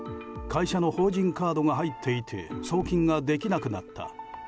会社の法人カードが入っていて送金ができなくなった。